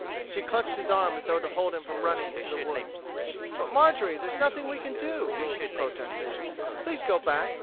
She clutched his arm as though to hold him from running into the woods. "But, Marjorie, there's nothing we can do," he protested. "Please go back.